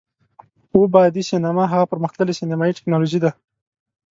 اووه بعدی سینما هغه پر مختللې سینمایي ټیکنالوژي ده،